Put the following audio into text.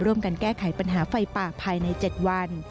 ร่วมกันแก้ไขปัญหาไฟป่าภายใน๗วัน